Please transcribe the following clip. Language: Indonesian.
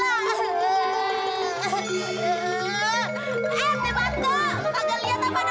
ada pada ada pada